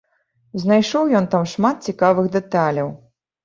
Знайшоў ён там шмат цікавых дэталяў.